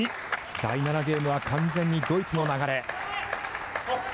第７ゲームは完全にドイツの流れ。